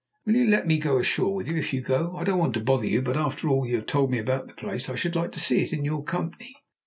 "Will you let me go ashore with you if you go? I don't want to bother you, but after all you have told me about the place, I should like to see it in your company."